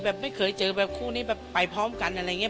ไม่เคยเจอแบบคู่นี้แบบไปพร้อมกันอะไรอย่างนี้